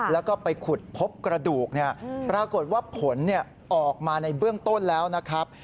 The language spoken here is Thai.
แล้วก็ไปขุดพบกระดูกปรากฏว่าผลออกมาในเบื้องต้นแล้วนะครับ